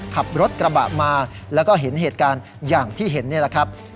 ขับรถกระบะมาแล้วก็เห็นเหตุการณ์อย่างที่เห็นนี่แหละครับ